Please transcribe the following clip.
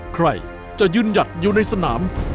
ใครจะยืนหยัดอยู่ในสนาม